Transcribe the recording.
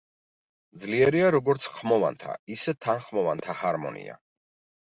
ძლიერია როგორც ხმოვანთა, ისე თანხმოვანთა ჰარმონია.